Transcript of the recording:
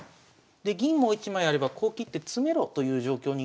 で銀もう一枚あればこう切って詰めろという状況になるんです。